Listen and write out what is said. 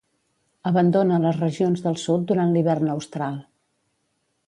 Abandona les regions del sud durant l'hivern austral.